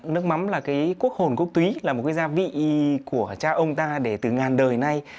nước mắm là cái quốc hồn quốc túy là một cái gia vị của cha ông ta để từ ngàn đời nay